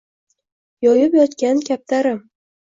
Yoyib yotgan kaptarim.